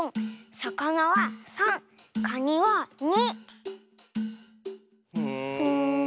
「さ・か・な」は３で「か・に」は２。